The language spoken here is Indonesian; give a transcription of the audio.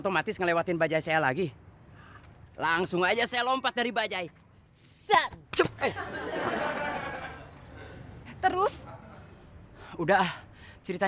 masih bisa berdiri